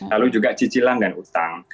lalu juga cicilan dan utang